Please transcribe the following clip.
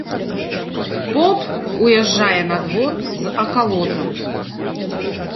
Поп уз'язджае на двор з акалотам.